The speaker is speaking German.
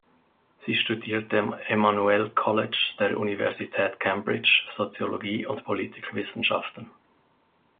Sie studierte am "Emmanuel College" der Universität Cambridge Soziologie und Politikwissenschaften.